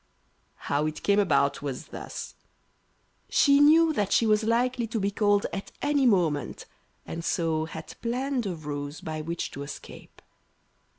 How it came about was thus: She knew that she was likely to be called at any moment, and so had planned a ruse by which to escape.